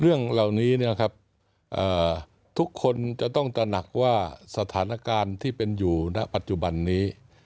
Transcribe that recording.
เรื่องเหล่านี้ทุกคนจะต้องตระหนักว่าสถานการณ์ที่เป็นอยู่ณปัจจุบันนี้